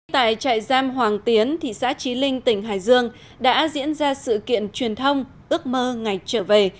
tại trại giam hoàng tiến thị xã trí linh tỉnh hải dương đã diễn ra sự kiện truyền thông ước mơ ngày trở về